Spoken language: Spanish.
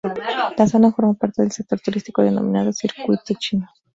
La zona forma parte del sector turístico denominado Circuito Chico.